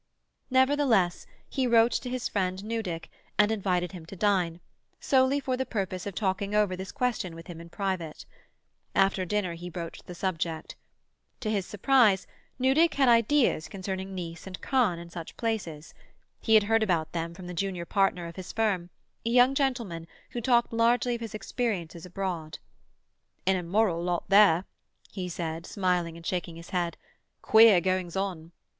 Nevertheless, he wrote to his friend Newdick, and invited him to dine, solely for the purpose of talking over this question with him in private. After dinner he broached the subject. To his surprise, Newdick had ideas concerning Nice and Cannes and such places. He had heard about them from the junior partner of his firm, a young gentleman who talked largely of his experiences abroad. "An immoral lot there," he said, smiling and shaking his head. "Queer goings on."